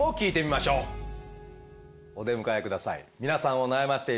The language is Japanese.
お出迎え下さい。